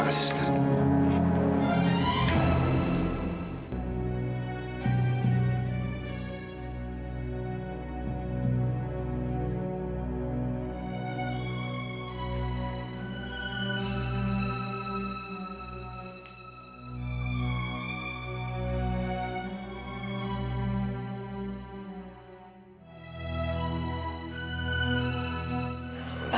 untuk terus belajar dari allah